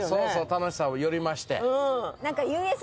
楽しさをより増して。